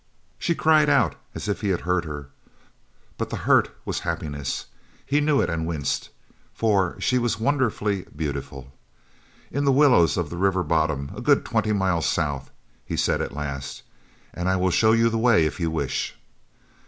She cried out as if he had hurt her, but the hurt was happiness. He knew it and winced, for she was wonderfully beautiful. "In the willows of the river bottom, a good twenty miles south," he said at last, "and I will show you the way, if you wish."